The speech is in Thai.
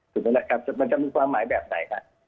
ซึ่งนั่นแหละครับมันจะมีความหมายแบบไหนค่ะ